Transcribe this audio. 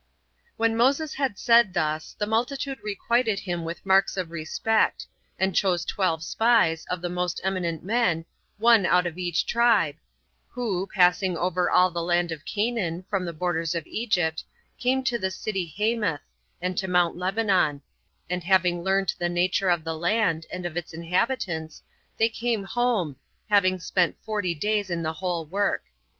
2. When Moses had said thus, the multitude requited him with marks of respect; and chose twelve spies, of the most eminent men, one out of each tribe, who, passing over all the land of Canaan, from the borders of Egypt, came to the city Hamath, and to Mount Lebanon; and having learned the nature of the land, and of its inhabitants, they came home, having spent forty days in the whole work.